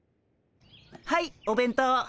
はいお弁当。